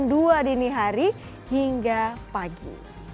dari malam malam sampai pagi